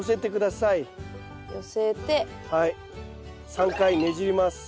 ３回ねじります。